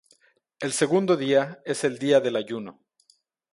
El segundo día es el día del ayuno.